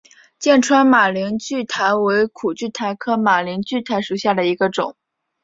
剑川马铃苣苔为苦苣苔科马铃苣苔属下的一个种。